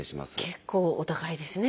結構お高いですね